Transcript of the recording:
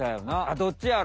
どっちやろ。